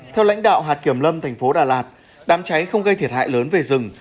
theo lãnh đạo hạt kiểm lâm thành phố đà lạt đám cháy không gây thiệt hại lớn về rừng